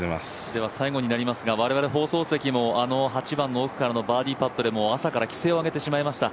我々放送席も８番の奥からのバーディーパットで朝から奇声を上げてしまいました。